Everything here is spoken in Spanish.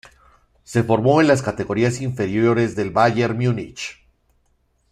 Se formó en las categorías inferiores del Bayern de Múnich.